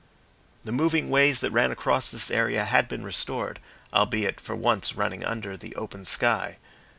The moving ways that ran across this area had been restored, albeit for once running under the open sky.